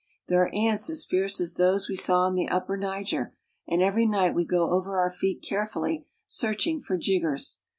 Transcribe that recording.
There are ants as fierce as , ie we saw on the upper Niger, and every night we go jlver our feet carefully, searching for jiggers.